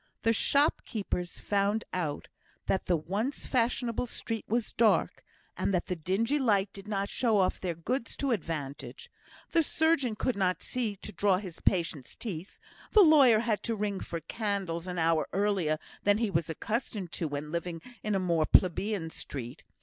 The shopkeepers found out that the once fashionable street was dark, and that the dingy light did not show off their goods to advantage; the surgeon could not see to draw his patient's teeth; the lawyer had to ring for candles an hour earlier than he was accustomed to do when living in a more plebeian street.